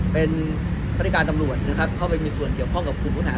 เป็นพฤติการตำรวจนะครับเข้าไปมีส่วนเกี่ยวข้องกับกลุ่มผู้หา